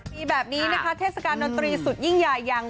มีแบบนี้นะคะเทศกาลดนตรีสุดยิ่งใหญ่อย่าง